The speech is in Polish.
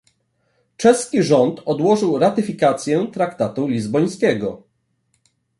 Czeski rząd odłożył ratyfikację traktatu lizbońskiego